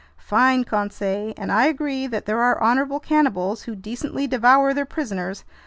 "Fine, Conseil! And I agree that there are honorable cannibals who decently devour their prisoners.